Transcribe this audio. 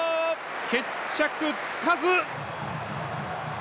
決着つかず！